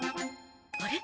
あれ？